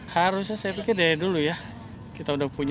harusnya saya pikir dari dulu ya kita udah punya